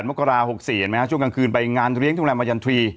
มกรา๖๔เห็นไหมฮะช่วงกลางคืนไปงานเลี้ยงดูแลมายันทรีย์